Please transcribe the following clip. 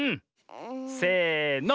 せの。